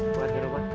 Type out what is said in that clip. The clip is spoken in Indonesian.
buat di rumah